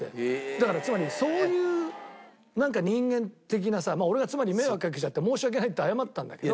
だからつまりそういうなんか人間的なさ俺がつまり迷惑かけちゃって申し訳ないって謝ったんだけど。